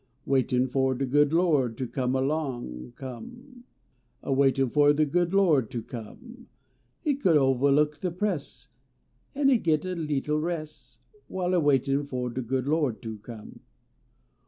Waitin fo de good Lo d ter come elong come, A waitin fo de good Lo d ter come, He could ovahlook de press, An e git a leetle res While a waitin fo de good Lo d ter come.